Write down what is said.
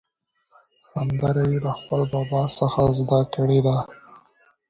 سندره یې له خپل بابا څخه زده کړې ده.